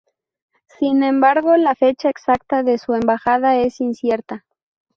Sin embargo, la fecha exacta de su embajada es incierta.